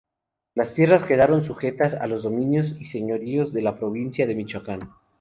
Las tierras quedaron sujetas a los dominios y señoríos de la provincia de Michoacán.